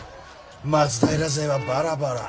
松平勢はバラバラ。